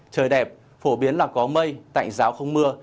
trời đẹp phổ biến là có mây tạnh giáo không mưa